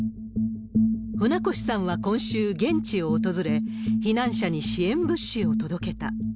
船越さんは今週、現地を訪れ、避難者に支援物資を届けた。